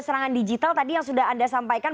serangan digital tadi yang sudah anda sampaikan